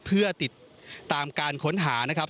เพื่อติดตามการค้นหานะครับ